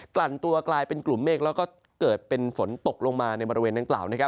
ลั่นตัวกลายเป็นกลุ่มเมฆแล้วก็เกิดเป็นฝนตกลงมาในบริเวณดังกล่าว